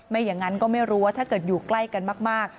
อย่างนั้นก็ไม่รู้ว่าถ้าเกิดอยู่ใกล้กันมาก